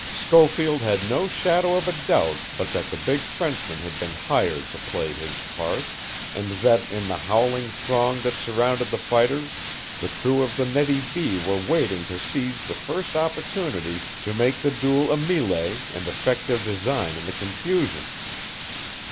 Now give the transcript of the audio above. Schofield had no shadow of a doubt but that the big Frenchman had been hired to play his part, and that, in the howling throng that surrounded the fighters the crew of the Nettie B. were waiting to seize the first opportunity to make the duel a mêlée and effect their design in the confusion.